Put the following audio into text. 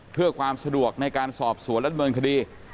เพื่อความสะดวกในการสอบสวนและดำเนินคดี